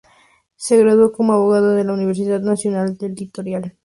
Se graduó como abogado de la Universidad Nacional del Litoral.